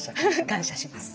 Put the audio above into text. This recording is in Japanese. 感謝します。